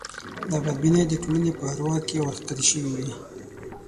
دا بدبینۍ د ټولنې په اروا کې ورکښته شوې وې.